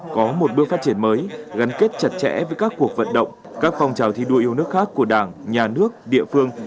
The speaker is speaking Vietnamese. có một bước phát triển mới gắn kết chặt chẽ với các cuộc vận động các phong trào thi đua yêu nước khác của đảng nhà nước địa phương